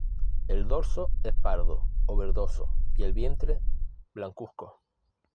El dorso es pardo o verdoso y el vientre blancuzco.